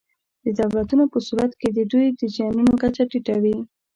د دولتونو په صورت کې د دوی د زیانونو کچه ټیټه وي.